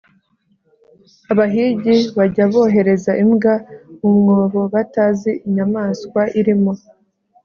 abahigi bajya bohereza imbwa mu mwobo batazi inyamaswa irimo